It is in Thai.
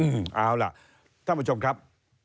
เอาล่ะท่านผู้ชมครับ